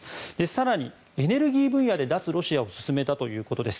更に、エネルギー分野で脱ロシアを進めたということです。